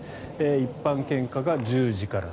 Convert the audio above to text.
一般献花が１０時から。